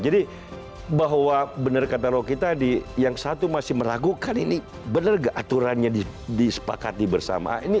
jadi bahwa benar kata roh kita yang satu masih meragukan ini benar gak aturannya disepakati bersama